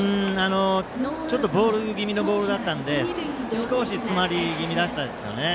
ちょっとボール気味のボールだったので少し詰まり気味でしたね。